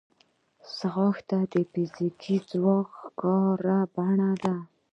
ځغاسته د فزیکي ځواک ښکاره بڼه ده